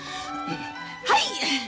はい！